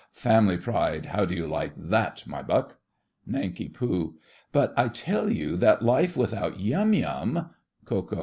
Family Pride, how do you like that, my buck? NANK. But I tell you that life without Yum Yum—— KO.